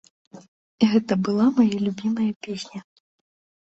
Гэта была мая любімая песня.